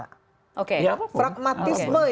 fragmatisme yang dikedepankan ini